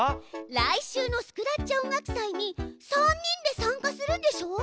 来週のスクラッチ音楽祭に３人で参加するんでしょう。